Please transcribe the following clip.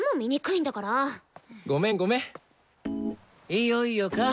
いよいよか。